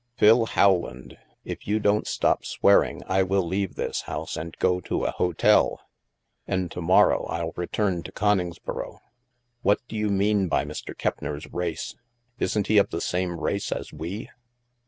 " Phil Howland, if you don't stop swearing, I will leave this house and go to a hotel. And to morrow I'll return to Coningsboro. What do you mean by Mr. Keppner's *race'? Isn't he of the same race as we